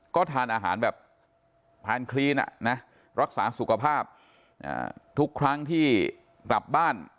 ก็ทานอาหารแบบทานคลีนรักษาสุขภาพทุกครั้งที่กลับบ้าน